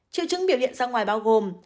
triệu chứng biểu điện ra ngoài bao gồm